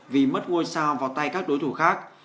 vì mất ngôi sao vào tay các đối thủ khác